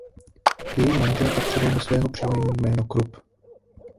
Její manžel pak přidal do svého příjmení jméno "Krupp".